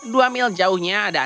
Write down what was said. dua mil jauhnya ada